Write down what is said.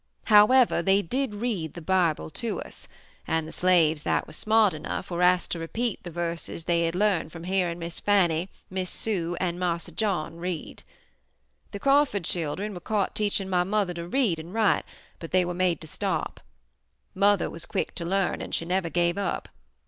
However, they did read the Bible to us, and the slaves that were smart enough, were asked to repeat the verses they had learned from hearing Miss Fannie, Miss Sue, and Marse John read. The Crawford children were caught teaching my mother to read and write, but they were made to stop. Mother was quick to learn and she never gave up.